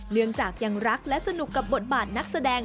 เนื่องจากยังรักและสนุกกับบทบาทนักแสดง